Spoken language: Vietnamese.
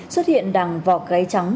xuất hiện đàn vọc gáy trắng